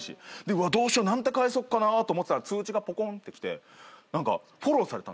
うわっどうしよう？何て返そうかなと思ってたら通知がぽこんと来て何かフォローされたんすよ。